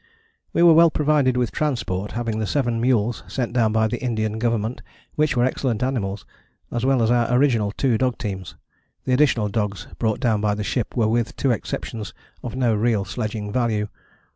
We were well provided with transport, having the seven mules sent down by the Indian Government, which were excellent animals, as well as our original two dog teams: the additional dogs brought down by the ship were with two exceptions of no real sledging value.